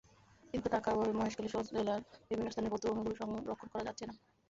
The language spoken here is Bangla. কিন্তু টাকার অভাবে মহেশখালীসহ জেলার বিভিন্ন স্থানের বধ্যভূমিগুলো সংরক্ষণ করা যাচ্ছে না।